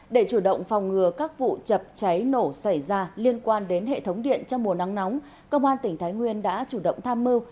để chủ động phòng ngừa các vụ chập cháy nổ xảy ra liên quan đến hệ thống điện trong mùa nắng nóng công an tỉnh thái nguyên đã chủ động tham mưu